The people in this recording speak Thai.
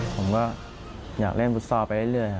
ผมก็อยากเล่นวุฒาไปเรื่อย